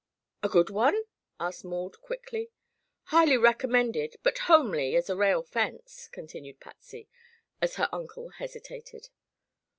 "A good one?" asked Maud quickly. "Highly recommended, but homely as a rail fence," continued Patsy, as her uncle hesitated.